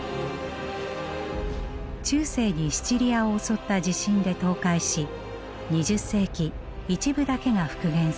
中世にシチリアを襲った地震で倒壊し２０世紀一部だけが復元されました。